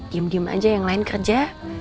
diem diem aja yang lain kerja